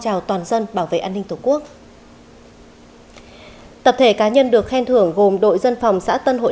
trào toàn dân bảo vệ an ninh tổ quốc tập thể cá nhân được khen thưởng gồm đội dân phòng xã tân hội